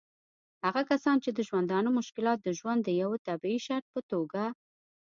هغه کسان چې د ژوندانه مشکلات د ژوند د یوه طبعي شرط په توګه